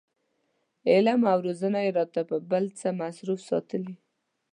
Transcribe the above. علم او روزنه یې راته په بل څه مصروف ساتلي.